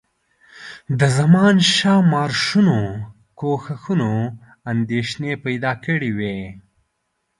د زمانشاه د مارشونو کوښښونو اندېښنې پیدا کړي وې.